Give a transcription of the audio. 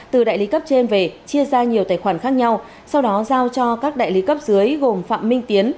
từ đại lý cấp trên về chia ra nhiều tài khoản khác nhau sau đó giao cho các đại lý cấp dưới gồm phạm minh tiến